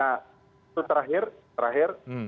nah itu terakhir